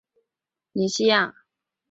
密克罗尼西亚。